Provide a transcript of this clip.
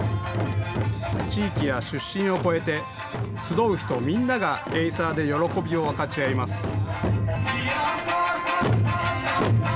地域や出身を超えて、集う人みんながエイサーで喜びを分かち合います。